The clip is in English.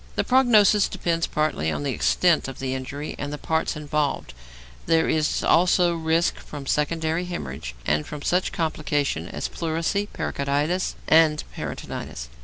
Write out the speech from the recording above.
The prognosis depends partly on the extent of the injury and the parts involved, but there is also risk from secondary hæmorrhage, and from such complications as pleurisy, pericarditis, and peritonitis.